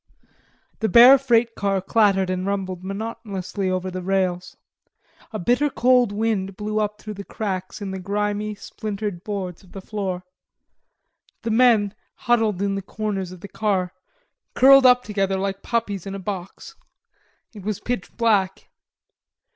The bare freight car clattered and rumbled monotonously over the rails. A bitter cold wind blew up through the cracks in the grimy splintered boards of the floor. The men huddled in the corners of the car, curled up together like puppies in a box. It was pitch black.